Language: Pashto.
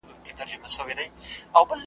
پولادي قوي منګول تېره مشوکه .